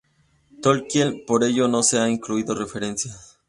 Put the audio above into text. Tolkien; por ello no se han incluido referencias.